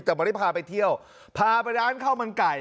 แต่ไม่ได้พาไปเที่ยวพาไปร้านข้าวมันไก่